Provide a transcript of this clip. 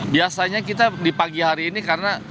biasanya kita di pagi hari ini karena